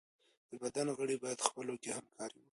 د بدن غړي بايد خپلو کي همکاري وکړي.